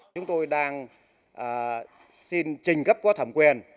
chúng tôi đang xin trình cấp qua thẩm quyền